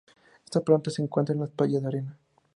Esta planta se encuentra en las playas de arena.